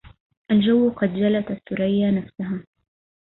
الجو قد جلت الثريا نفسها